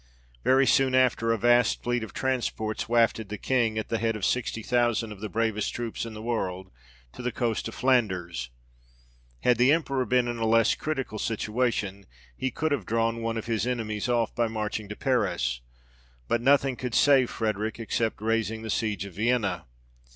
Very soon after a vast fleet of transports wafted the King, at the head of sixty thousand of the bravest troops in the world, to the coast of Flanders. Had the Emperor been in a less critical situation, he could have drawn one of his enemies off by marching to Paris ; but nothing could save Frederic except 46 THE REIGN OF GEORGE VI. raising the siege of Vienna.